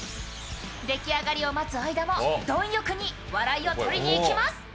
出来上がりを待つ間も貪欲に笑いを取りにいきます。